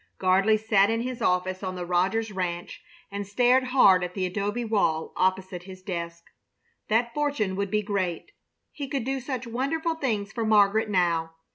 Gardley sat in his office on the Rogers ranch and stared hard at the adobe wall opposite his desk. That fortune would be great! He could do such wonderful things for Margaret now.